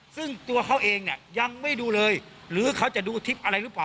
ซึ่งตัวเขาเองเนี่ยยังไม่ดูเลยหรือเขาจะดูทริปอะไรหรือเปล่า